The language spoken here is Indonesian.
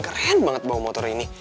keren banget bawa motor ini